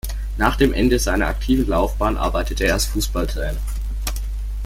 Nach dem Ende seiner aktiven Laufbahn arbeitete er als Fußballtrainer.